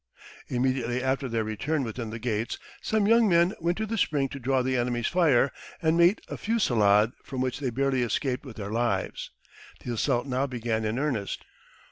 Immediately after their return within the gates, some young men went to the spring to draw the enemy's fire, and met a fusillade from which they barely escaped with their lives. The assault now began in earnest.